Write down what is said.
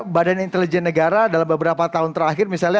badan intelijen negara dalam beberapa tahun terakhir misalnya